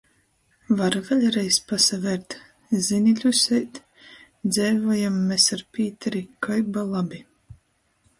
Var vēļreiz pasavērt?... Zyni, Ļuseit, dzeivojam mes ar Pīteri kai ba labi...